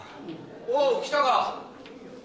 おお来たか。